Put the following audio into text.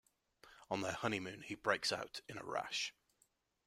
On their honeymoon, he breaks out in a rash.